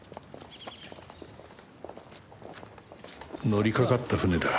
乗りかかった船だ